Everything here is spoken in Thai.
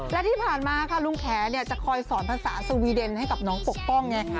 และที่ผ่านมาค่ะลุงแขจะคอยสอนภาษาสวีเดนให้กับน้องปกป้องไง